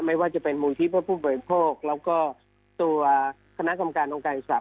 ไม่ว่าจะเป็นมูลที่เพื่อผู้บริโภคแล้วก็ตัวคณะกรรมการองค์การอิสระ